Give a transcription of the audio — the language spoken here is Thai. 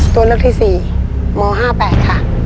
ตัวเลือกที่๔ม๕๘ค่ะ